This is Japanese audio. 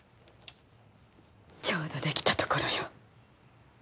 ちょうど出来たところよ。